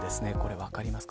分かりますか。